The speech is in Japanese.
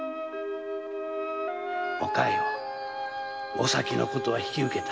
お咲のことは引き受けた。